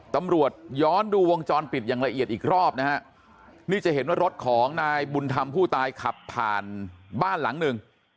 ตำรวจย้อนดูวงจรปิดอย่างละเอียดอีกรอบนะฮะนี่จะเห็นว่ารถของนายบุญธรรมผู้ตายขับผ่านบ้านหลังหนึ่ง